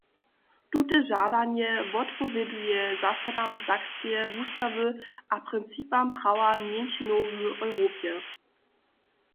Tute žadanje wotpowěduje zasadam Sakskeje wustawy a principam prawa mjeńšinow w Europje.